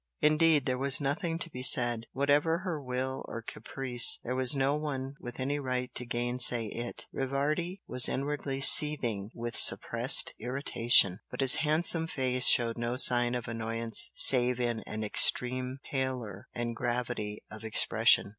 Indeed there was nothing to be said. Whatever her will or caprice there was no one with any right to gainsay it. Rivardi was inwardly seething with suppressed irritation but his handsome face showed no sign of annoyance save in an extreme pallor and gravity of expression.